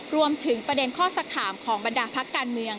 รวมถึงประเด็นข้อสักถามของบรรดาพักการเมือง